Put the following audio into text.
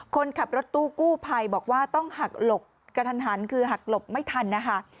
คนขับรถตู้กู้ภัยบอกว่าต้องหักหลบกระทันหันคือหักหลบไม่ทันนะคะ